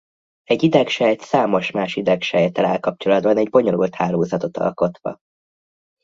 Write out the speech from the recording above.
Egy idegsejt számos más idegsejttel áll kapcsolatban egy bonyolult hálózatot alkotva.